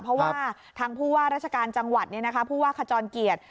เพราะว่าทางผู้ว่าราชการจังหวัดผู้ว่าขจรเกียรติ